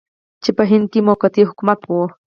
چې په هند کې موقتي حکومت و.